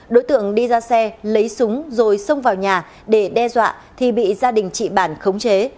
đối tượng đi ra xe lấy súng rồi xông vào nhà để đe dọa thì bị gia đình chị bản khống chế